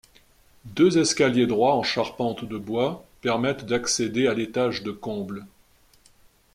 Deux escaliers droits en charpente de bois permettent d'accéder à l'étage de comble.